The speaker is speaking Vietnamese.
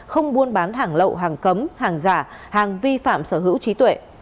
không buôn bán hàng lậu hàng cấm hàng giả hàng vi phạm sở hữu trí tuệ